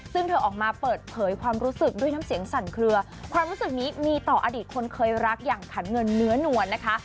ซึ่งเธอออกมาเปิดเผยความรู้สึกด้วยน้ำเสียงสั่นเคลือความรู้สึกนี้มีต่ออดีตคนเคยรักอย่างขันเงินเนื้อนวลนะคะ